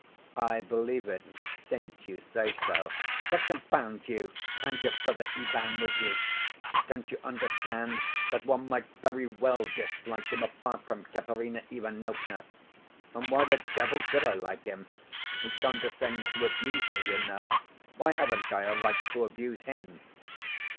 "I believe it, since you say so, but confound you, and your brother Ivan with you. Don't you understand that one might very well dislike him, apart from Katerina Ivanovna. And why the devil should I like him? He condescends to abuse me, you know. Why haven't I a right to abuse him?"